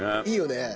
いいよね。